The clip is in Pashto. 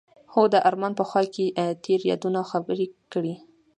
هغوی د آرمان په خوا کې تیرو یادونو خبرې کړې.